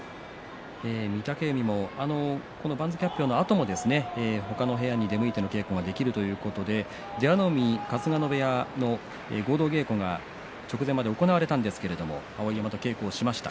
番付発表のあとも御嶽海他の部屋に出向いての出稽古ができるということで出羽海、春日野部屋の合同稽古が直前まで行われたんですが稽古しました。